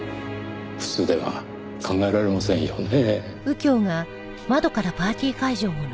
普通では考えられませんよねぇ。